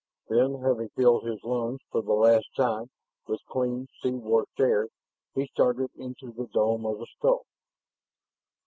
Then, having filled his lungs for the last time with clean, sea washed air, he started into the dome of the skull.